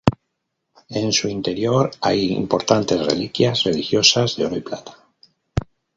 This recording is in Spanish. En su interior hay importantes reliquias religiosas de oro y plata.